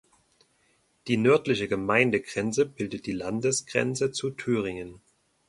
Die nördliche Gemeindegrenze bildet die Landesgrenze zu Thüringen.